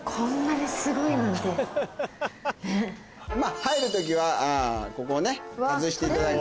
入る時はここをね外していただいて。